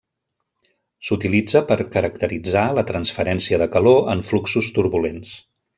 S'utilitza per caracteritzar la transferència de calor en fluxos turbulents.